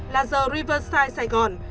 là the riverside sài gòn